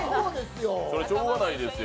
それはしようがないですよ。